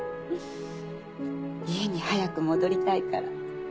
家に早く戻りたいから